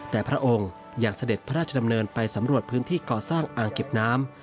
แต่พระองค์ยังเสด็จพระราชดำเนินไปสำรวจพื้นที่ก่อสร้างอ่างเก็บน้ำ